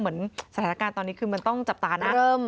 เหมือนสถานการณ์ตอนนี้คือมันต้องจับตานะ